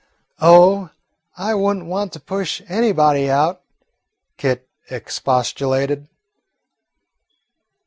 "Oh, I would n't want to push anybody out," Kit expostulated.